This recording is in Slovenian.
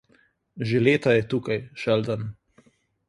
Že leta je tukaj, Sheldon.